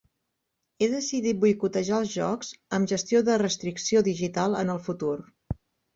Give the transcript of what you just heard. He decidit boicotejar els jocs amb gestió de restricció digital en el futur.